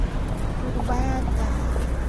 tu baada kutumia dawa hii dalili zifuatazo hutokea